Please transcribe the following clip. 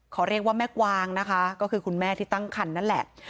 เขาเรียกว่าแม่กวางนะคะก็คือคุณแม่ที่ตั้งคันนั่นแหละ